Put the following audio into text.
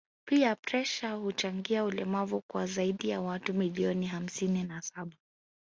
pia presha huchangia ulemavu kwa zaidi ya watu milioni hamsini na saba